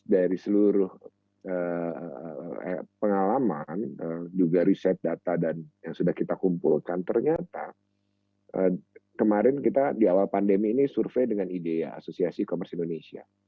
dari seluruh pengalaman juga riset data dan yang sudah kita kumpulkan ternyata kemarin kita di awal pandemi ini survei dengan idea asosiasi e commerce indonesia